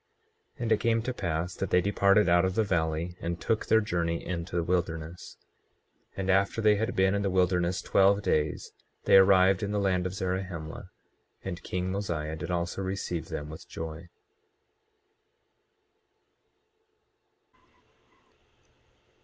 24:24 And it came to pass that they departed out of the valley, and took their journey into the wilderness. 24:25 And after they had been in the wilderness twelve days they arrived in the land of Zarahemla; and king Mosiah did also receive them with joy.